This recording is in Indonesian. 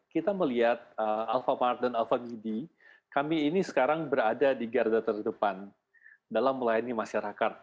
kita melihat alphamar dan alfagidi kami ini sekarang berada di garda terdepan dalam melayani masyarakat